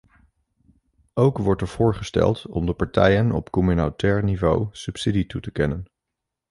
Ook wordt er voorgesteld om de partijen op communautair niveau subsidie toe te kennen.